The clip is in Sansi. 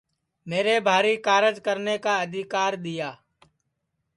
میرے بھاری کارج کرنے کا آدیکر دٚیا